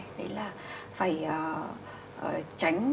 đấy là phải tránh tiếp xúc với nguồn lây